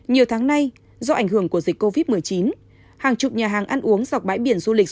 nhiều tháng nay do ảnh hưởng của dịch covid một mươi chín hàng chục nhà hàng ăn uống dọc bãi biển du lịch